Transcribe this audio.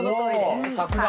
おさすが。